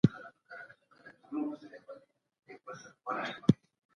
احمد شاه ابدالي څنګه د همکارۍ فرصتونه لټول؟